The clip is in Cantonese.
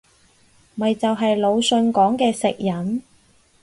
咪就係魯迅講嘅食人